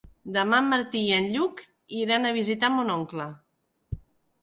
Demà en Martí i en Lluc iran a visitar mon oncle.